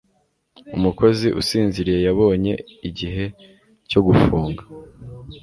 umukozi usinziriye yabonye, igihe cyo gufunga